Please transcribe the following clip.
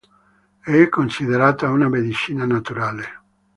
È considerata una medicina naturale.